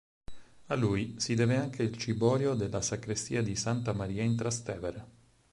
A lui si deve anche il ciborio della sacrestia di Santa Maria in Trastevere.